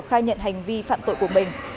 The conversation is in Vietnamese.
khai nhận hành vi phạm tội của mình